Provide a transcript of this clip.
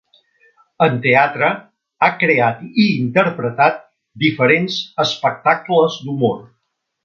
En teatre ha creat i interpretat diferents espectacles d'humor.